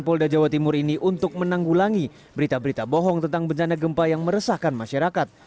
polda jawa timur ini untuk menanggulangi berita berita bohong tentang bencana gempa yang meresahkan masyarakat